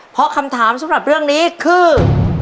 เพราะคำถามสำหรับเรื่องนี้คือ